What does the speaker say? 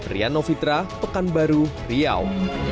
riano fitra pekan baru riau